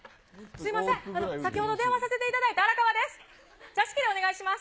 すみません、先ほど電話させていただいたあらかわです。